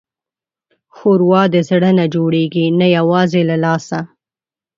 ښوروا د زړه نه جوړېږي، نه یوازې له لاسه.